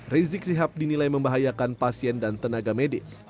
rizik sihab dinilai membahayakan pasien dan tenaga medis